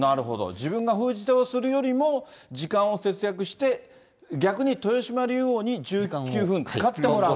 自分が封じ手をするよりも、時間を節約して逆に豊島竜王に１９分使ってもらうという。